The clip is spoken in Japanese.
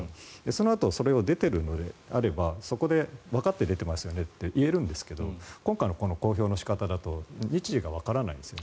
そのあとそれが出ているのであればわかって出ていますよねと言えるんですが今回の公表の仕方だと日時がわからないんです。